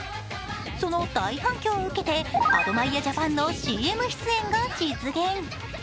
その大反共を受けてアドマイヤジャパンのＣＭ出演が実現。